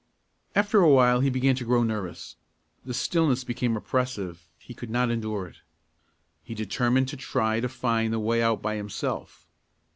After a while he began to grow nervous; the stillness became oppressive; he could not endure it. He determined to try to find the way out by himself.